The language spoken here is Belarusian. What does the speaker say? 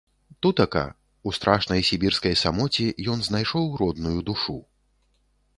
Тутака, у страшнай сібірскай самоце, ён знайшоў родную душу.